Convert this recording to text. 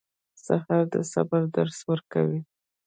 سهار د صبر درس ورکوي.